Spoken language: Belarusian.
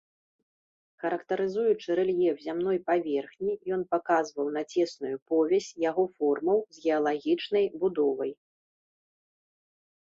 Характарызуючы рэльеф зямной паверхні, ён паказваў на цесную повязь яго формаў з геалагічнай будовай.